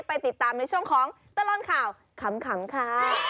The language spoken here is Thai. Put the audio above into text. ไปติดตามในช่วงของตลอดข่าวขำค่ะ